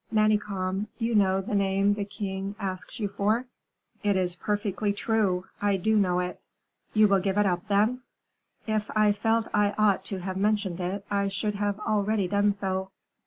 Manicamp, you know the name the king asks you for?" "It is perfectly true I do know it." "You will give it up then?" "If I felt I ought to have mentioned it, I should have already done so."